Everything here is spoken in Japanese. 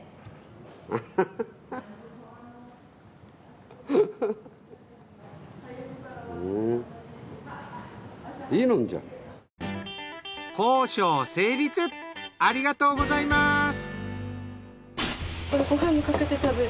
ありがとうございます。